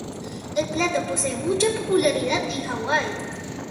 El plato posee mucha popularidad en Hawaii.